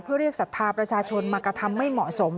เพื่อเรียกศรัทธาประชาชนมากระทำไม่เหมาะสม